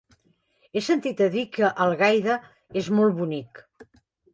He sentit a dir que Algaida és molt bonic.